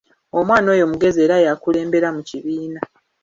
Omwana oyo mugezi era y’akulembera mu kibiina!